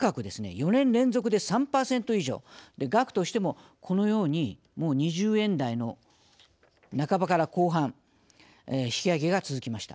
４年連続で３％以上額としてもこのように２０円台の半ばから後半引き上げが続きました。